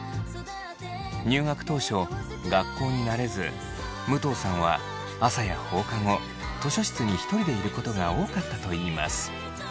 入学当初学校に慣れず武藤さんは朝や放課後図書室にひとりでいることが多かったといいます。